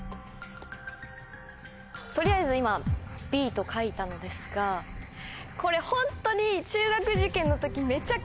取りあえず今Ｂと書いたのですがこれホントに。